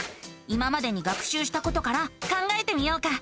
今までに学しゅうしたことから考えてみようか。